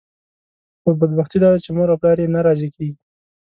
خو بدبختي داده چې مور او پلار یې نه راضي کېږي.